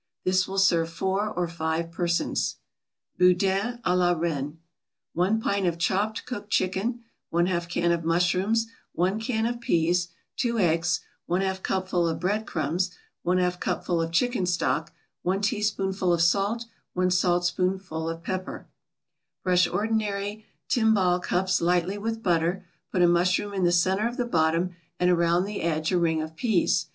This will serve four or five persons. BOUDINS à la REINE 1 pint of chopped cooked chicken 1/2 can of mushrooms 1 can of peas 2 eggs 1/2 cupful of bread crumbs 1/2 cupful of chicken stock 1 teaspoonful of salt 1 saltspoonful of pepper Brush ordinary timbale cups lightly with butter, put a mushroom in the centre of the bottom, and around the edge a ring of peas.